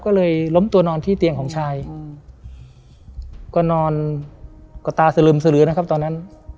ก็เลยล้มตัวนอนที่เตียงของชายอืมก็นอนก็ตาสลึมสลือนะครับตอนนั้น